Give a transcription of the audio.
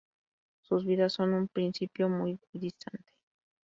Sus vidas son en un principio muy distantes.